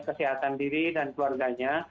kesehatan diri dan keluarganya